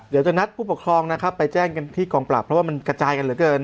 เดี๋ยวจะนัดผู้ปกครองนะครับไปแจ้งกันที่กองปราบเพราะว่ามันกระจายกันเหลือเกิน